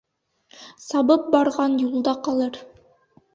Сабып барған юлда ҡалыр.